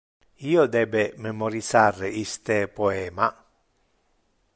Io debe memorisar iste poema.